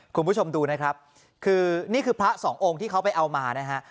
คุณผู้ชมดูนะครับคือนี่คือพระสององค์ที่เขาไปเอามานะฮะ